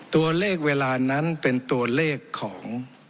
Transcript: ตัวเลขเวลานั้นเป็นตัวเลขของ